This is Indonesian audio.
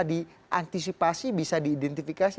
diantisipasi bisa diidentifikasi